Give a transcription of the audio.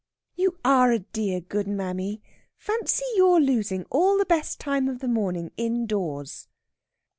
"You are a dear good mammy. Fancy your losing all the best time of the morning indoors!"